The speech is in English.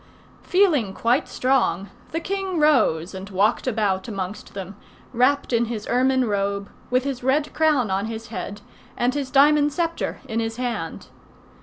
Feeling quite strong, the king rose and walked about amongst them, wrapped in his ermine robe, with his red crown on his head, and his diamond sceptre in his hand.